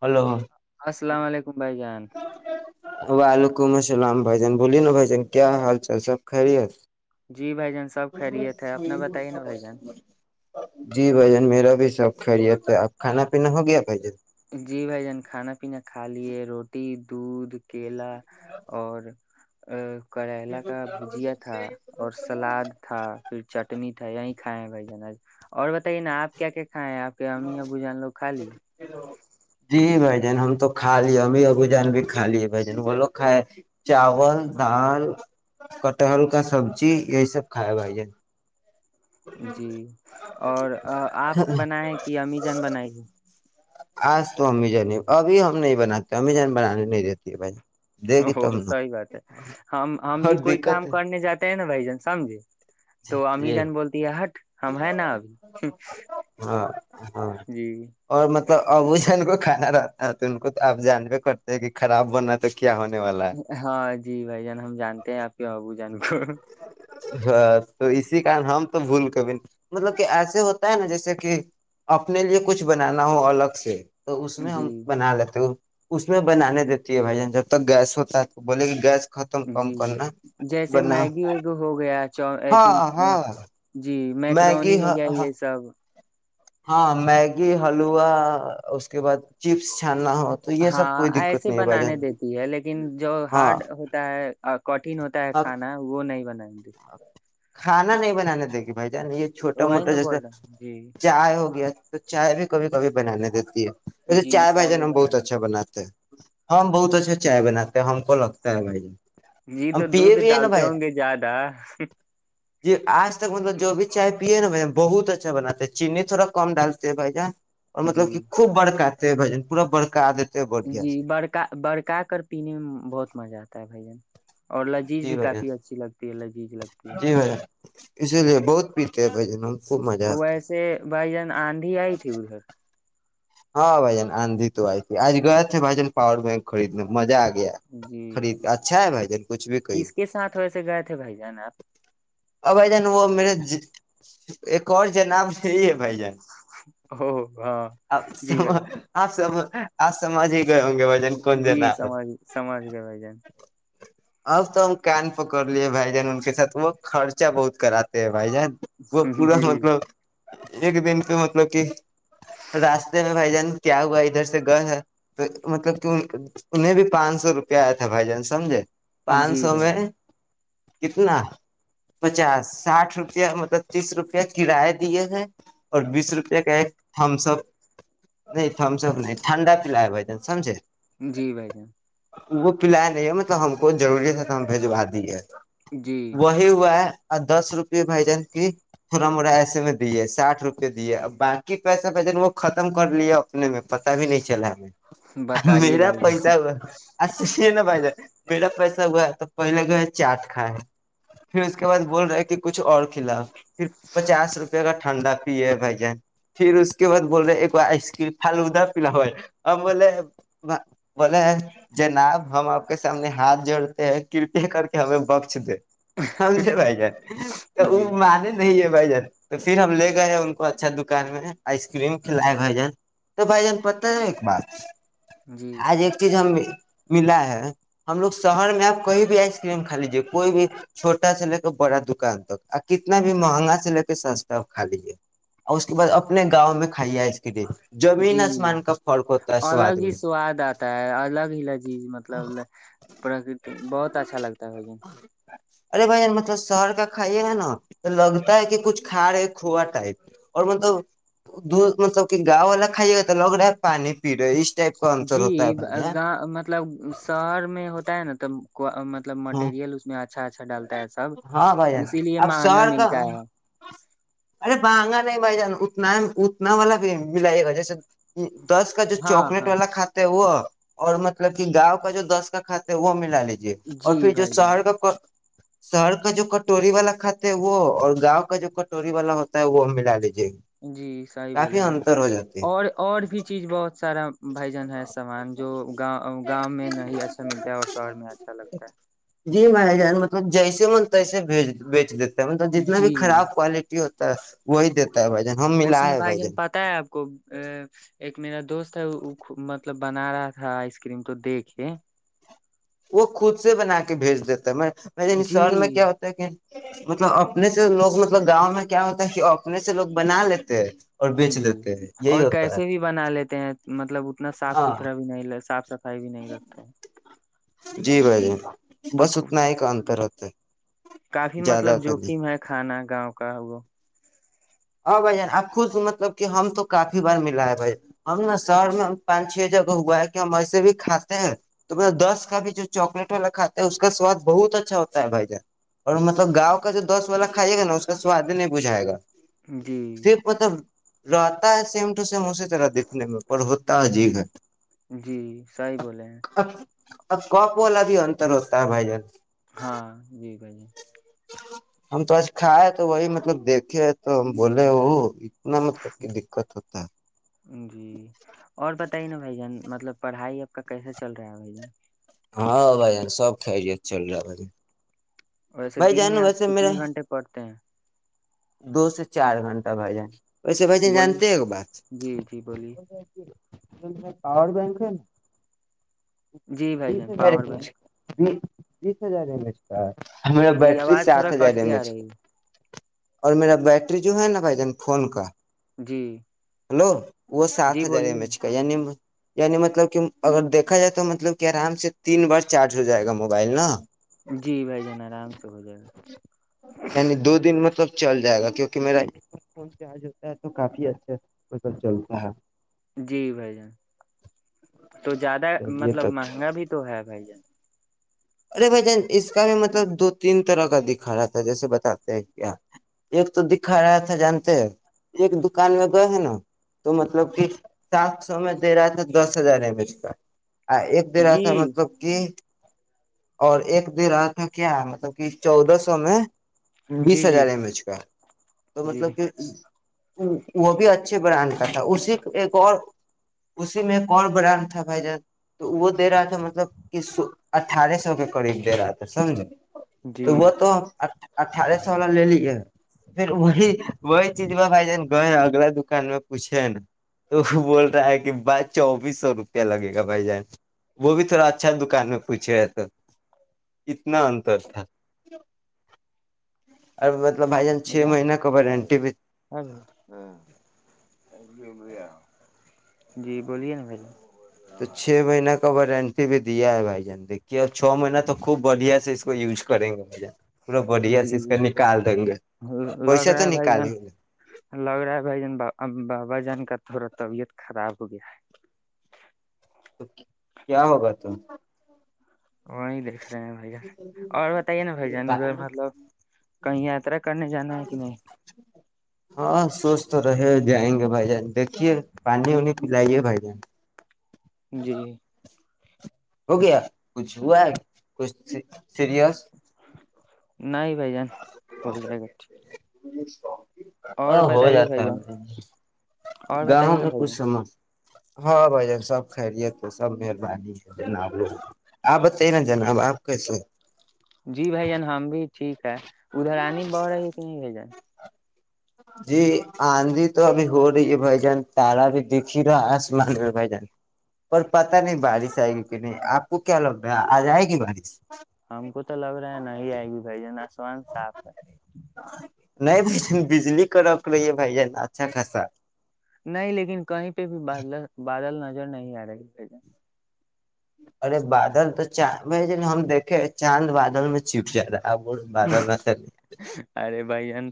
hello السلام علیکم بھائی جان ولکمسلام بھجن بولی نا بھجن کیا حال چال سب خھ رہی ہے جی بھائی جان سب خیریت ہے اپ نے بتائی نا بھائی جان جی بھ جان میرا بھی شوق خیریت تھا ہے اب کھانا پینا ہو گیا بھ جن جی بھائی جان کھانا پینا کھا لیے روٹی رٹی دودھ کیلا اور ا کریلا کا بھجیا تھا اور سلاد تھا پھر چٹنی تھا یہی کھائے بھائی جان آج اور بتائیے نا آپ کیا کیا ہاں آپ ہمیں ابو جان لو خالی جی بھ جن ہم تو کھا لیے ا ابو جان بھی کھا لیے بھ جن بولو کائے چاول دال کٹہل کا سبزی یہی سب کائے بھائی جن جی اور آپ بنائے کہ امیزن بنائی گے آج تو امیزان ہی ابھی ہم نہیں بناتے امیزان بنانے نہیں دیتی ہے بھائی دے گی او تب نا سحی بات ہے ہم ہم اور بھی کوئی دقت کام ہے کرنے جاتے ہیں نا بھائی جان سمجھے تو امی جی جان بولتی ہے ہٹ ہم ہے نا ابھی ہاں ہاں جی اور مطلب ابو ج ان کو کھانا رہتا ہے تو ان کو آپ جانبے کرتے ہیں کہ خراب بنا تو کیا ہونے والا ہے ہاں جی بھائی جان ہم جانتے ہیں آپ کی ببو جان کو ہاں تو اسی کارن ہم تو بھول کے بھی مطلب کہ ایسے ہوتا ہے نا جیسے کہ اپنے لیے کچھ بنانا ہو الگ سے تو اس میں جی ہم بنا لیتے ہو اس میں بنانے دیتی ہے بھائی جان جب تک گیس ہوتا ہے تو بولے کہ گیس ختم کم کرنا بنا ش ہو گیا ہاں ہاں جی میکرانی میگی ہو گیا یہ سب ہاں میگی حلوا اس کے بعد چپس چان ہاں ایسے بنانے دیتی ہے لیکن جو ہارڈ ہاں ہوتا ہے کوٹین ہوتا ہے کھانا وہ نہیں بنیں ہ کانا نہیں بنانے دے کہ بھائی ان یہ چھوٹا وہی موٹا نا جیسا بول رہے ہیں جی چائے ہو گیا تو چائے بھی کبھی کبھی بنانے دیتی ہے وسے جی چائے بھ جن بھی ہم بہت بنانی اچھا دیتی بناتے ہیں ہم بہت اچھا چائے بناتے ہیں ہم کون لگتا ہے بھائی ج جی تو دودھ ڈالتے ہوں گے زیادہ [inaudible] جی آج تک مطلب جو بھی چائے پیے نا بھ بہت اچھا بناتے چینی تھوڑا کم ڈالتے ہیں بھائی جان اور مطلب کہ جی خوب بڑکا بجن پورا بڑکا آد جی بڑکا بڑکا کر پینے میں بہت مزہ آتا ہے بھ جن جی بھیا ہے لذیذ لگتی جی بھ اسی لیے بہت پتے تو جم ویسے بھائی جان آندھی آئی تھی ادھر ہاں بھائی جان آندھی تو آئی تھی آج گیا تھے بائیجن پاور بینک خریدنے مزا آ گ جی خرید کے اچھا ہے بھائی جان کچھ بھی کہئی کس کے ساتھ ویسے گئے تھے بھائی جان آپ اور بھائی جان وہ میرے ایک اور جناب صی ہے بھ جان ا ہاں [unintelligible] آپ سب بھائی آپ سب [unintelligible] آج سمج ہی گئے ہوں گے بھائی جان کون جی جناب ہے سماج سماج کے بھائی جان اب تو ہم کان پکڑ لیے بھائی جان ان کے ساتھ وہ خرچہ بہت کراتے ہیں بھائی جان وہ پورا جی مطلب ایک دن پہ مطلب کہ راستے میں بھائی جان کیا ہوا ادھر سے گئے ہے تو مطلب کہ انہیں بھی پانچ سو روپیہ آیا تھا بھائی جان سمجھے پانچ جی سو بھائی میں جان کتنا پچاس ساٹھ روپیہ مطلب تیس روپیہ کرایہ دیے گئے اور بیس روپیہ کا ایک تھمس اپ نہیں تھمس اپ نہیں ٹھنڈا پلایا ب جن سمجھے جی بھائی جان وہ وہ پیا ہے نہیں ہم میں تو ہ ہمم کوئی ضرورت ہے تو ہم بھیجوا دیے جی وہی ہوا ہے اور دس روپے بھ جان کی تھوڑا موٹا ایسے میں دیے سٹھ روپے دیے باقی پیسے بھ جن وہ ختم کر لیے اپنے میں پتا بھی نہیں چلا ہم بتائیے میرا بھائی جان پیسہ ج نا بائ جے میرا پیسہ ہوا ہے تو پہلے جو ہے چاٹ کھائے پھر اس کے بعد بول رہے کہ کچھ اور کھلاؤ پھر پچاس روپے کا ٹھنڈا پیے بھائی جان پھر اس کے بد بول رہے ایک بار آئس کرم پھالودا پلاؤ ہم بولے بولے جناب ہم آپ کے س ہمنے ہاتھ جوڑتے ہیں کرپیا کر کے ہمیں بخش دے سمھے بھائی جان تو وہ جی مان نہیں ہے بھ جان تو پھر ہم لے گئے ان کو اچھا دکان میں آئس کریم کھلا کے ب ج تو بھ جان پتہ ہے ایک بات جی آج ایک چیز ہم ملا ہے ہم لوگ شہر میں آپ کہئی بھی آئس کریم کا لیجیے کوئی بھی چھوٹا سا لے کے بڑا دکان تک کتنا بھی مہنگا سے لے کے سستا کا لیجیے اور اس کے بعد اپنے گاؤں میں کھائیے آئس کریم زمین جی آسمان کا فرق ہوتا ہے الگ سواد ہی میں سواد آتا ہے الگ ہی لذیذ مطلب پرکرتی بہت اچھا لگتا ہے ج ارے بھائی مطلب شہر کا کھائیے گا نا تو لگتا ہے کہ کچھ کھا رہے کھووا ٹائپ اور مطلب دور مطلب کہ گاؤں والا کھائیے گا تو لگ رہا ہے پانی پی رہا جی گاؤ مطلب شہر میں ہوتا ہے نا تو [inaudible] مطلب مٹیریل اس میں آتی اچھا اچھا ڈالتا ہے سب ہاں بھائی جان اسی لیے اب مہنگا شہر ملتا کا ہے ارے مہگا نہیں بھائی جان اتنا اتنا والا بھی ملائے گا جیسے دس کا جو ہاں چاکلیٹ ہاں والا کھاتا ہے وہ اور مطلب کہ گاؤں کا جو دس کا کات ہے وہ ملا ل اور جی پھر جو بھائی شہر جان کا شہر کا جو کٹوری والا کھاتے ہے وہ اور گاؤں کا جو کٹوری والا ہوتا ہے وہ ملا لیتے جی سیح بولے ہیں جاتے ہے اور اور بھی چیز بہت سارا بھجن ہے سامان جو گاؤ گاؤں میں نہیں اچھا ملتا ہے اور شہر میں اچھا لگتا ہے جی مارا جانا تو جیسے من تیسے بھی بیچ دیتے مطلب ہے جتنا بھی جی خراب کوالٹی ہوتی وہئیتے اس میں بھائی جان پتاہ ہے آپ کو ا ایک میرا دوست ہے وہ مطلب بنا رہا تھا آئس کریم تو دیکھ کے وہ خود سے بنا کے بھیج دیتا سال میں جی کیا ہوتا ہے کہ مطلب اپنے سے لوگ مطلب گاؤں میں کیا ہوتا ہے کہ اپنے سے لوگ بنا لیتے ہیں اور بیچ جی دیتے ہیں یہی اور ہوتا ہے کیسے بھی بنا لیتے ہیں مطلب [inaudible] اتنا صاف ہاں ستھر بھی نہیں ل [inaudible] [inaudible] جی بھائی جی بستنا ایک اترات [inaudible] کافی مطلب جوخم ہے کھانا گاؤں کا [inaudible] ا بھائی جان آپ خود مطلب کہ ہم تو کافی بار ملا ہے بھائی ہم نا شہر میں ہم پانچ چھ جگہ ہوا ہے کہ ہم ایسے بھی کاتے ہیں تو دس کا بھی جو چاکلیٹ والا کھا ہے اس کا سواد بہت اچھا ہوتا ہے بھائی جان اور مطلب گاؤں کا جو دس والا کھائیے گا نا اس کا سواد ہی نہیں بجھائے گا جی ل آتا ہے سیم ٹو سیم اسے را دیکھنے میں پر ہوتا ہے جی [inaudible] جی صحی بولے ہیں اب کپ والا بھی انتر ہوتا ہے بھائی جان ہاں جی بھائی جان ہم تو آج کھا ہے تو وہی مطلب دیکھے تو ہم بولے وہ اتنا مطلب کہ دقت ہوتا ہے جی اور بتائیے نا بھائی جان مطلب پڑھائی اب کا کیسا چل رہا ہے بھائی جان ہاں بھائی جان سب خیریت چل رہا ہے بھائی ویسے بھائی دن جان میں آپ ویسے کتنے میرا گھنٹے پڑھتے ہیں دو سے چار گھنٹہ بھایی جان ویسے بھائی بولیے جانتے ایک بات جی جی بولیے پاور بینک ہے نا جی [inaudible] [inaudible] ب بھائی جان پاور بھائی ہزار ایم ایچ کا ہمارا جی بیٹری آواز سات تھوڑا ہزار کٹ ایم کے آ ایچ ک رہی ہے اور میرا بیٹری جو ہے نا بھائی جان فون کا جی ہلو وہ سات جی ہزار بولیے ایم ایچ نا کا یا نی یعنی مطلب کہ اگر دیکھا جائے تو مطلب کہ آرام سے تین بار چارج ہو جائے گا موبائل نا جی بھائی جان آرام سے ہو جائے گا یعنی دو دن مطلب چل جائے گا کیونکہ میرا فون چ آج ہوتا ہے تو کافی اچھا م چلتا ہے [inaudible] جی بھائی جان تو زیادہ چلیے مطلب تب مہنگا بھی تو ہے بھائی جان ارے بھائی جان اس کا بھی مطلب دو تین طرح کا دکھا رہا تھا جیسے بتاتے ہیں کیا ایک تو دکھا رہا تھا جانتے ہیں ایک دکان میں گئے ہیں نا تو مطلب کہ سات سو میں دے رہا تھا دس ہزار ہے اس کا ایک دے رہا جی تھا مطلب کہ اور ایک دن رات میں کیا مطلب کہ چودہ سو میں بیس جی جی ہزار ایم ایچ کا تو جی جی مطلب کہ وہ بھی ا اچھے براینڑ کا تھا اسے ایک اور اسی میں کون برانڈ تھا بھائی جان تو وہ دے رہا تھا مطلب کہ اٹھارہ سو کے قریب دے رہا تھا سمجھو تو وہ تو اٹھارہ سو والا لے لیے پھر وہی وہی چیز میں بھائی جان وہ اگلا دکان میں پوچے ہے نا تو وہ بول رہا ہے کہ بس چوبیس سو روپیہ لگے گا بھائی جان وہ بھی تھوڑا اچھا دکان ہے پوچھے تو اتنا انتر تھا اور م [inaudible] [inaudible] بھائی جان چھ مہیین کا وارنٹی بھی جی بولیے نا بھائی [unintelligible] تو چھ مہینہ کا [unintelligible] کا وارنٹی بھی دیا ہے بائی جان دیکھیے اور چو مہینہ تو خوب بڑھیا سے اس کو یوز کریں گے بھائی جان [unintelligible] بڑھیا جی سے اس کا نکال دیں گے ج لگ پیسہ رہا تو ہے بھائی جان نکالیں گے تو لگ رہا ہے بھائی جان بابا جان کا تھڑا [unintelligible] طبیعت خراب ہو گیا ہے تو کیا ہوگا ت [unintelligible] ہاں نہیں دے [unintelligible] بھ جان اور بتائیے نا بھ جان ادھر مطلب کہیں یاترا کرنے جانا ہے کہ نہیں [unintelligible] ہاں سوچ تو رہے جائیں گے بھائی جان دیکھ دھیے پانی وانی پلائیے بھائی ج [unintelligible] جی ہو گیا کچھ ہوا ہے کچھ سیریس نہیںائ بائی جان ہو جائے گا جیا ا اور ہو بتائیے جاتا بھائی ہے جان اور بتائیے گاؤں نا میں بھائی کچھ جان سمج ہاں بھ جن سب خرییے تھ سب مہربانی ہے جناب لو آپ بتائیے نا جناب آپ کیسے جی بھائی ہم بھی ٹھیک ہے ادھر آنی بڑ رہی ہے کہ نہیں رہ جیں جی آندھی تو ابھی ہو رہی ہے بھائی جان تارا بھی دکھ ہی رہا ہے آسمان میں بھائی جان پر پتا نہیں بارش آئے گی کہ نہیں آپ کو کیا لگ رہا ہے آج آئے گی بارش ہم کو تو لگ رہا ہے نہیں آئے گی بھائی ج نا نہیں ب بجلی کرب [unintelligible] سک لیے بھائی ج اچھا خاصا نہیں لیکن کہیں پہ بھی باد بادل نظر نہیں آ رہی ب ارے بادل تو چان بھائی ہم دیکھے چاند بادل میں چپ جات رہا ہے وہ بادل نہ چلے ارے بھائیین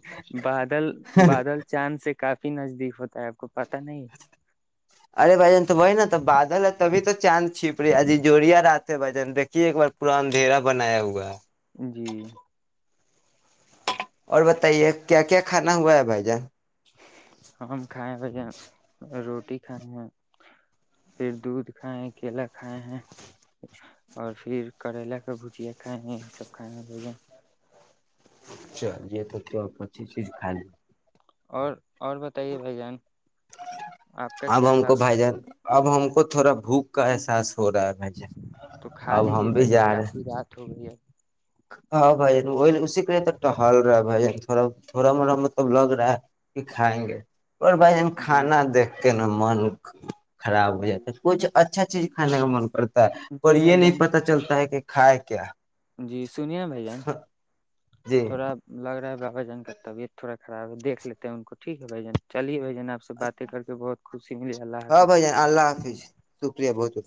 بادل بادل چاند سے کافی نزدیک ہوتا ہے آپ کو پت نہیں ارے بھ جن تو وہ نا تو بادل ہے تبھی تو چاند چھیپ رہی ہےجی جووریا راتتے بھ جن دیکھیے ایک بار پورا اندھیرا بنایا ہوا ہے جی اور بتائیے کیا کیا کھانا ہوا ہے بھائی جان ہم کھائے ب جن روٹی کھائے ہیں پھر دودھ کھائے ہیں کیلا کھائے ہیں اور پھر کریلا کا بھجیا کھائے ہیں یہ سب کھائے بن چلیے تو تو پچ چیز خائی اور اور بتائیے بھائی جان آپ کا اب کیا ہم کو حال ہے بھائی جان اب ہم کو تھوڑا بھوک کا احساس تھ رہا ہے تو کھا اب لیجیے ہم بھی بھائی جان جا رہے کافی رات ہو گئی ہے ہاں بھائی جان وہی اسی کے لیے تو ایک ہل رہا ہے بھائی ج تھڑا تھوڑا موڑا مطلب لگ رہا ہے کہ کھائیں گے اور بھائی ج ہم جی کھانا دے کیا ن ملک خراب ہو جی جاتا کچھ اچھا اچھا چیز کھے کا من کرتا ہے اور جی یہ بھائی نہیں جان پتا چلتا ہے کہ کھائے کیا جی سنیے نا بھائی جان جی تھوڑا لگ رہا ہے ب بھن کابیعت تھوا خرا ہے دیک لیتے ا ان کو ٹھیک ہے بھجن چلیے بھ آپ سے باتیں کر کے بہت خوشی ملی اللہ ہاں حافظ بھائی جان اللہ حافظ شکریہ بہت بہت